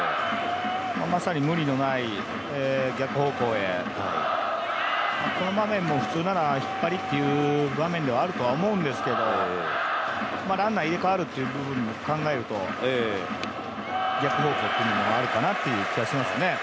まさに無理のない逆方向へ、この場面も普通なら引っ張りっていう場面ではあると思うんですけどランナー、入れ代わる部分も考えると逆方向もあるかなと思います。